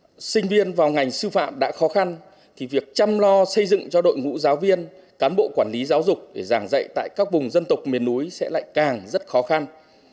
nếu việc thu hút sinh viên vào ngành sư phạm đã khó thì việc chăm lo xây dựng cho đội ngũ giáo viên cán bộ quản lý giáo dục để giảng dạy tại các vùng dân tộc miền núi sẽ lại càng rất khó khăn